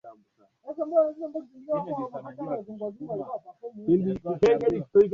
Wazee walifurahia kutoa simulizi za hadithi.